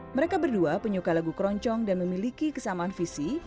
mereka berdua penyuka lagu keroncong dan memiliki kesamaan visi